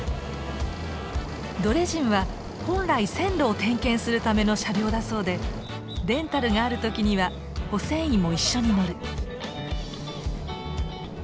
ドレジンは本来線路を点検するための車両だそうでレンタルがある時には保線員も一緒に乗る。